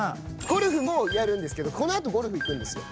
ゴルフもやるんですけどこの後ゴルフ行くんですよ。